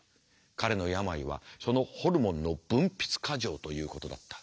彼の病はそのホルモンの分泌過剰ということだった。